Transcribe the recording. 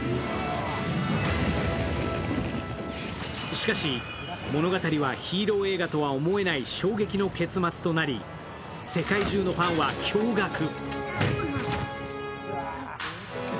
しかし物語はヒーロー映画とは思えない衝撃の結末となり、世界中のファンは驚がく。